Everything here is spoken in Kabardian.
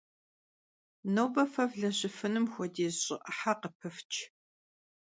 Nobe fe vlejıfınum xuediz ş'ı 'ıhe khıpıfç.